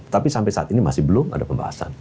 tapi sampai saat ini masih belum ada pembahasan